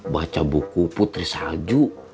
baca buku putri salju